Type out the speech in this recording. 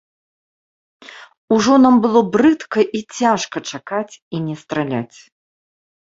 Ужо нам было брыдка і цяжка чакаць і не страляць.